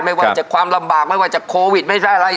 ไม่ว่าจะความลำบากไม่ว่าจะโควิดไม่ใช่อะไร